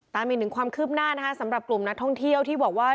ตามอีกหนึ่งความคืบหน้านะคะสำหรับกลุ่มนักท่องเที่ยวที่บอกว่า